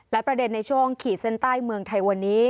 และประเด็นในช่วงขีดเส้นใต้เมืองไทยวันนี้